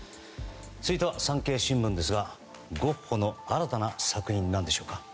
続いては産経新聞ですがゴッホの新たな作品でしょうか。